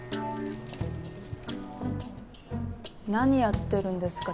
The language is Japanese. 何やってるんですか？